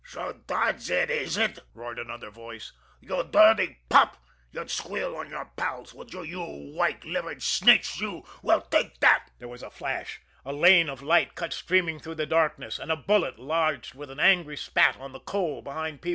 "So that's it, is it!" roared another voice. "You dirty pup, you'd squeal on your pals, would you, you white livered snitch, you! Well, take that!" There was a flash, a lane of light cut streaming through the darkness, and a bullet lodged with an angry spat on the coal behind P.